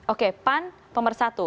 oke pan pemersatu